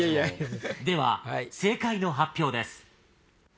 では正解の発表です。